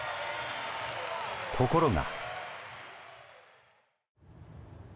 ところが。